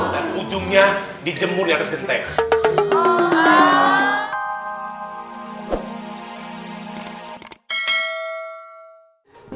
dan ujungnya dijemur di atas getek